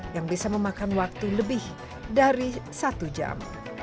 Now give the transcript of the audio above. yang bisa memakan waktu lebih dari satu jam